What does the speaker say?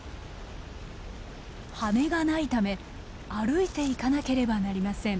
羽がないため歩いていかなければなりません。